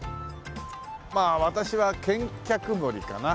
まあ私は健脚守かな。